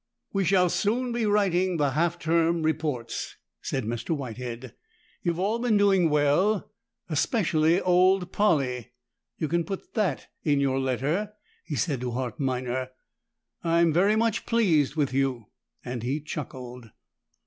"We shall soon be writing the half term reports," said Mr. Whitehead. "You've all been doing well, especially old Polly: you can put that in your letter," he said to Hart Minor. "I'm very much pleased with you," and he chuckled.